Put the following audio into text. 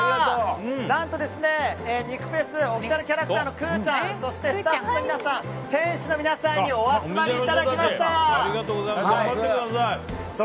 何と、肉フェスオフィシャルキャラクターのくーちゃんそしてスタッフの皆さん店主の皆さんにお集まりいただきました。